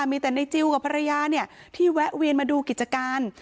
มีแต่ในจิลกับภรรยาที่แวะเวียนมาดูกิจการ